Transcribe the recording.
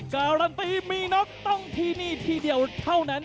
การันตีมีน็อกต้องที่นี่ที่เดียวเท่านั้น